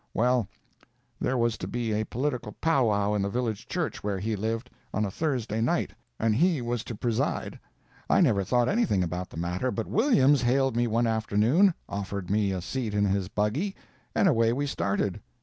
Well, there was to be a political pow wow in the village church where he lived, on a Thursday night, and he was to preside. I never thought anything about the matter, but Williams hailed me one afternoon, offered me a seat in his buggy, and away we started.